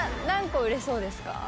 何個売れそうですか？